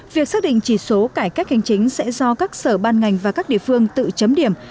việc xác định chỉ số cải cách hành chính sẽ do các sở ban ngành và các địa phương tự chấm điểm